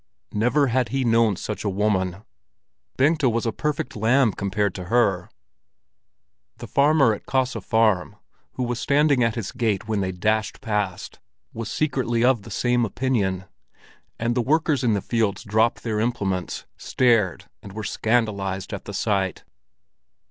Never had he known such a woman; Bengta was a perfect lamb compared to her! The farmer at Kaase Farm, who was standing at his gate when they dashed past, was secretly of the same opinion; and the workers in the fields dropped their implements, stared and were scandalized at the sight.